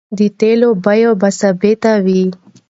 د تېلو بیې بې ثباته وې؛